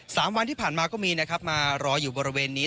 สามวันที่ผ่านมาก็มีนะครับมารออยู่บริเวณนี้